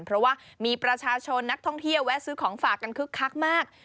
เพราะว่ามีประชาชนนักท่องเที่ยวแวะซื้อของฝากกันคึกคักมาก